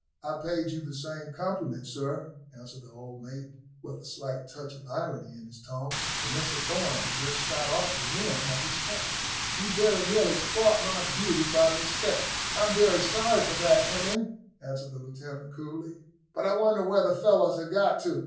"I paid you the same compliment, sir," answered the old mate, with a slight touch of irony in his tone, for Mr Thorn had just shot off the rim of his cap. "You very nearly spoilt my beauty by mistake." "I am very sorry for that, Hemming," answered the lieutenant coolly; "but I wonder where the fellows have got to.